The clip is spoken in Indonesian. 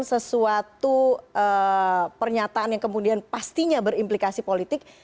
sesuatu pernyataan yang kemudian pastinya berimplikasi politik